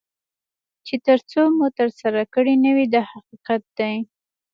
چې تر څو مو ترسره کړي نه وي دا حقیقت دی.